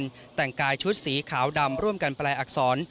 แต่งกายชุดสีขาวดำร่วมกันแปลอักษร